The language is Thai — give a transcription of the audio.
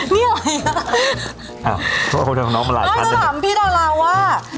นี่อะไรค่ะอ่าเพราะว่าคนของน้องมาหลายพันน้องจะถามพี่ดาราวว่า